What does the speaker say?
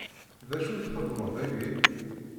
D acu i txeddmeḍ dagi?